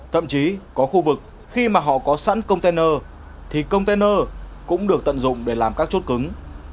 thậm chí có khu vực khi mà họ có sẵn container thì container cũng được tận dụng để làm các chốt cứng